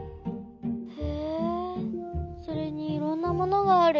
へえそれにいろんなものがある。